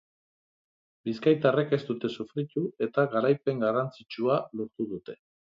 Bizkaitarrek ez dute sofritu eta garaipen garrantzitsua lortu dute.